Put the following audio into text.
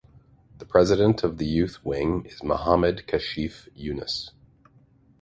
The president of the youth wing is Mohammad Kashif Yunus.